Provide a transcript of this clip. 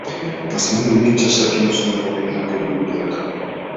Тасманы Үмүт жаштар киносунун форумунда көрүүгө болот.